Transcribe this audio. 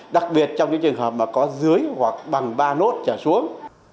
đặc biệt trong những trường hợp mà có dưới hoặc bằng ba lốt trả xuống